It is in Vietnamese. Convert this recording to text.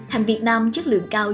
hàng việt nam chất lượng cao